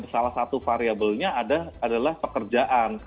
salah satu variabelnya adalah pekerjaan